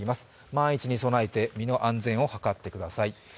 万一に備えて身の安全を図ってください。